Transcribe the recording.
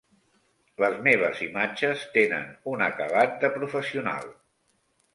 Les meves imatges tenen un acabat de professional.